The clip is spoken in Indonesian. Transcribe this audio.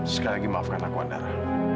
sekali lagi maafkan aku andara